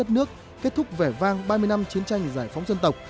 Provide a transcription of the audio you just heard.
đất nước kết thúc vẻ vang ba mươi năm chiến tranh giải phóng dân tộc